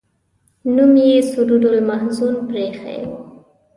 نوم یې سرور المحزون پر ایښی و.